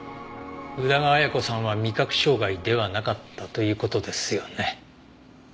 宇田川綾子さんは味覚障害ではなかったという事ですよね？